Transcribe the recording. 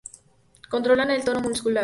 Controlan el tono muscular.